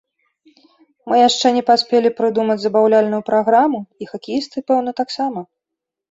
Мы яшчэ не паспелі прыдумаць забаўляльную праграму, і хакеісты, пэўна, таксама.